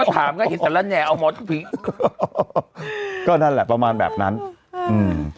ถามก็เห็นแต่ละแนเอามดผีก็นั่นแหละประมาณแบบนั้นอืม